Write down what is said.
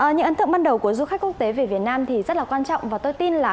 những ấn tượng ban đầu của du khách quốc tế về việt nam thì rất là quan trọng và tôi tin là